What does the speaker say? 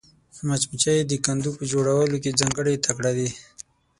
مچمچۍ د کندو په جوړولو کې ځانګړې تکړه ده